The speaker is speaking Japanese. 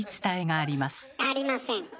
ありません。